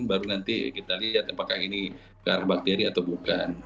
baru nanti kita lihat apakah ini karakteri atau bukan